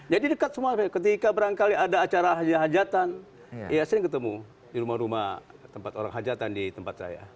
jadi dekat semua ketika barangkali ada acara hajatan ya sering ketemu di rumah rumah tempat orang hajatan di tempat saya